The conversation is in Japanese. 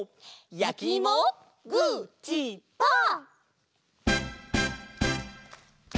「やきいもグーチーパー」！